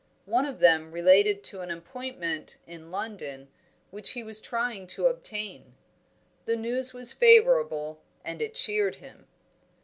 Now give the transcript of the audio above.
One of them related to an appointment in London which he was trying to obtain; the news was favourable, and it cheered him.